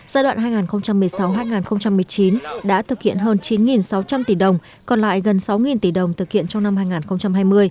giai đoạn hai nghìn một mươi sáu hai nghìn một mươi chín đã thực hiện hơn chín sáu trăm linh tỷ đồng còn lại gần sáu tỷ đồng thực hiện trong năm hai nghìn hai mươi